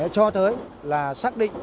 cho tới là xác định